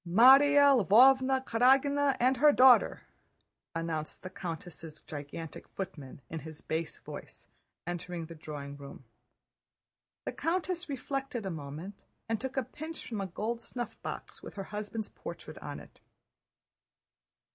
"Márya Lvóvna Karágina and her daughter!" announced the countess' gigantic footman in his bass voice, entering the drawing room. The countess reflected a moment and took a pinch from a gold snuffbox with her husband's portrait on it.